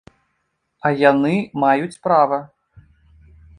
А яны маюць права.